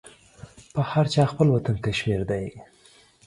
په هر چا خپل وطن کشمير ده.